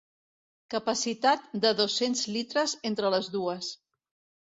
Capacitat de dos-cents litres entre les dues.